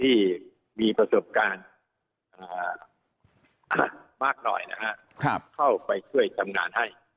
ที่มีประสบการณ์มากหน่อยนะฮะเข้าไปช่วยทำงานให้